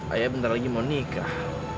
ayah bentar lagi mau nikah